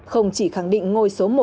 không chỉ khẳng định ngồi số một